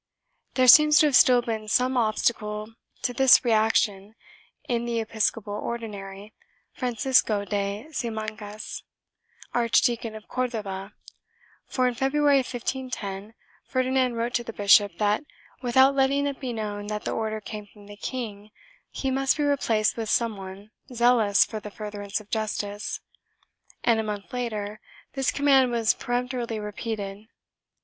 There seems to have still been some obstacle to this reaction in the episcopal Ordinary, Francisco de Simancas, Archdeacon of Cordova for, in February, 1510, Ferdinand wrote to the bishop that, without letting it be known that the order came from the king, he must be replaced with some one zealous for the furtherance of justice and, a month later, this command was peremptorily repeated.